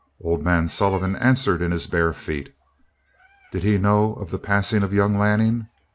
Old man Sullivan answered in his bare feet. Did he know of the passing of young Lanning?